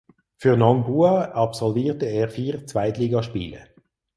Für Nongbua absolvierte er vier Zweitligaspiele.